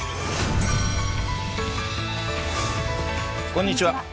こんにちは。